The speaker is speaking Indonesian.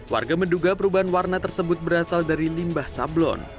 warga menduga perubahan warna tersebut berasal dari limbah sablon